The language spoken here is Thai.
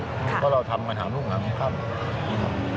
เพราะเราทำการถามลูกค้าค่อนข้าง